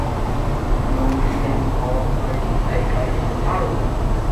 লুঙ্গি gang, মলম party, biker gang, দারুন।